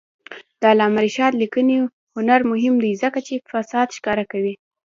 د علامه رشاد لیکنی هنر مهم دی ځکه چې فساد ښکاره کوي.